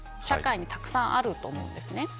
社会にたくさんあると思うんですね。